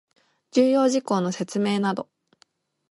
重要事項の説明等